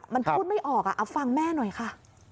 มันพูดไม่ออกเอาฟังแม่หน่อยค่ะ